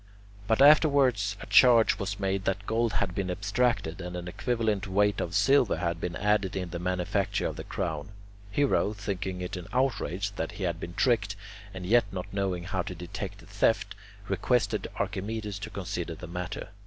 But afterwards a charge was made that gold had been abstracted and an equivalent weight of silver had been added in the manufacture of the crown. Hiero, thinking it an outrage that he had been tricked, and yet not knowing how to detect the theft, requested Archimedes to consider the matter.